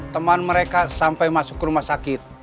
teman mereka sampai masuk ke rumah sakit